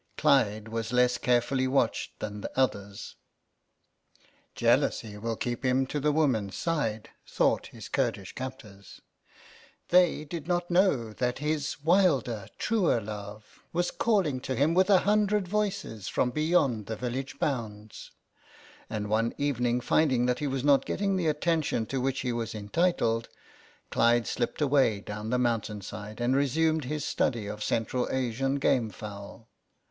Clyde was less carefully watched than the others. "Jealousy will keep him to the woman's side " thought his Kurdish captors. They did not know that his wilder, truer love was calling to him with a hundred voices from beyond the village bounds. And one evening, finding that he was not getting the attention to which he was entitled, Clyde slipped away down the mountain side and resumed his study of Central Asian game fowl.